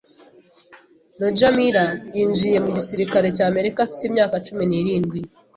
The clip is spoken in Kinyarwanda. Roger Miller yinjiye mu gisirikare cy’Amerika afite imyaka cumi n'irindwi.